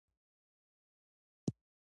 د جوزجان په قرقین کې د ګازو نښې شته.